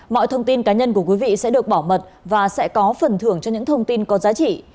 mọi thông tin cá nhân của quý vị sẽ được bảo mật và sẽ có phần thưởng cho những thông tin có giá trị